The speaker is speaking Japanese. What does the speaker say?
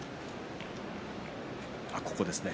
ここですね。